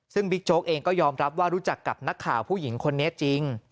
ซึ่งบิ๊กโจ๊กเองก็ยอมรับว่ารู้จักกับนักข่าวผู้หญิงคนนี้จริง